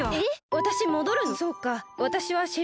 わたしもどるの？